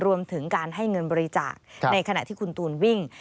รวมถึงการให้เงินบริจาคในขณะที่คุณตูนวิ่ง